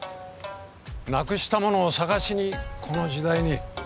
なくしたものを捜しにこの時代に。